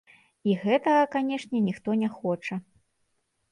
І гэтага, канешне, ніхто не хоча.